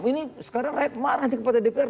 ini sekarang rakyat marah kepada dpr